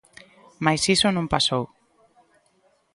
Mais iso non pasou.